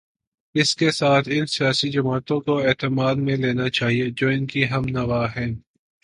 اس کے ساتھ ان سیاسی جماعتوں کو اعتماد میں لینا ہے جو ان کی ہم نوا ہیں۔